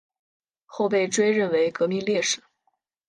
后被追认为革命烈士。